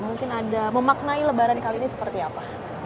mungkin ada memaknai lebaran kali ini seperti apa